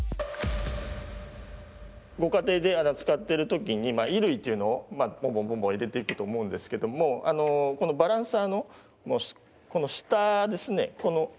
ご家庭で使ってる時に衣類っていうのをボンボンボンボン入れていくと思うんですけどもこのバランサーのこの下ですね